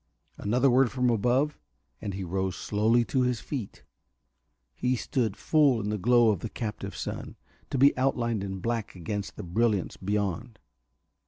Another word from above, and he rose slowly to his feet. He stood full in the glow of the captive sun, to be outlined in black against the brilliance beyond.